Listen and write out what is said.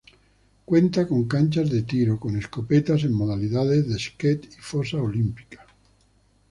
Cuenta con canchas de tiro con escopeta en modalidades de Skeet y Fosa Olímpica.